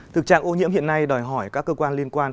thực trạng ô nhiễm hiện nay đòi hỏi các cơ quan liên quan